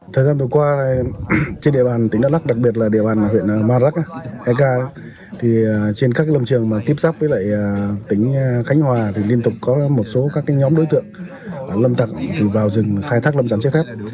thời gian vừa qua trên địa bàn tỉnh đắk lắk đặc biệt là địa bàn huyện maroc ek trên các lâm trường tiếp xác với tỉnh khánh hòa liên tục có một số nhóm đối tượng lâm tặc vào rừng khai thác lâm sản chế phép